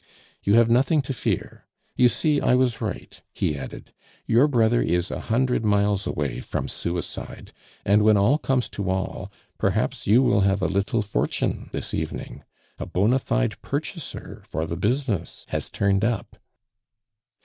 "You have nothing to fear; you see I was right," he added. "Your brother is a hundred miles away from suicide, and when all comes to all, perhaps you will have a little fortune this evening. A bona fide purchaser for the business has turned up."